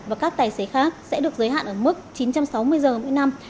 và các tài xế khác sẽ được giới hạn ở mức chín trăm sáu mươi giờ mỗi năm